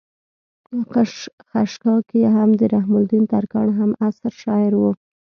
خشاکے هم د رحم الدين ترکاڼ هم عصر شاعر وو